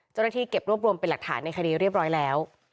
เจ้าหน้าที่เก็บรวบรวมเป็นหลักฐานในคดีเรียบร้อยแล้ว